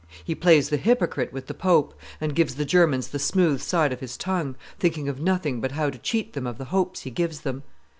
He plays the hypocrite with the pope, and gives the Germans the smooth side of his tongue, thinking of nothing but how to cheat them of the hopes he gives them.